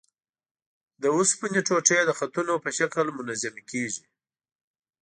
د اوسپنې ټوټې د خطونو په شکل منظمې کیږي.